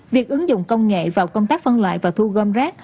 việc ứng dụng công nghệ vào công tác phân loại và thu gom rác